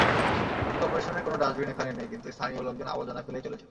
City করপোরেশনের কোনো dustbin এখানে নেই, কিন্তু স্থানীয় লোকজন আবর্জনা ফেলেই চলেছেন।